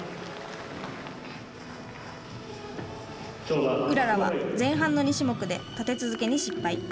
うららは、前半の２種目で立て続けに失敗。